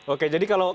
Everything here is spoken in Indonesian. oke jadi kalau